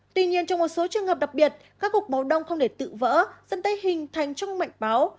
tuy nhiên trong một số trường hợp đặc biệt các cuộc báo đông không để tự vỡ dẫn tới hình thành trong mạch máu